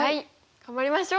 頑張りましょう！